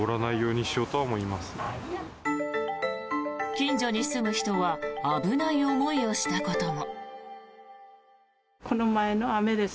近所に住む人は危ない思いをしたことも。